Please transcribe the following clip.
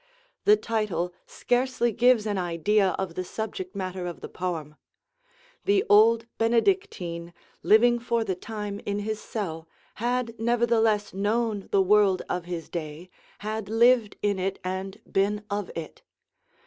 The title scarcely gives an idea of the subject matter of the poem. The old Benedictine, living for the time in his cell, had nevertheless known the world of his day, had lived in it and been of it.